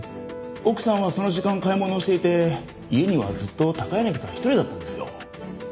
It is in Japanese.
奥さんはその時間買い物をしていて家にはずっと高柳さん一人だったんですよ。